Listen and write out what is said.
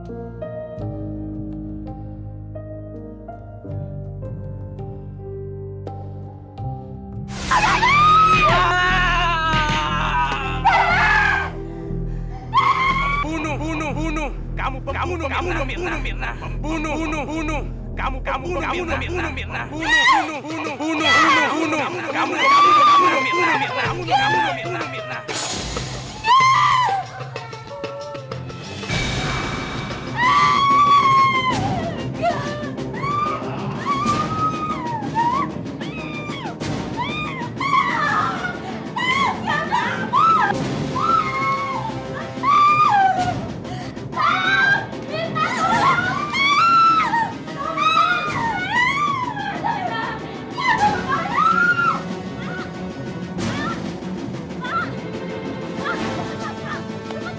eh jangan lari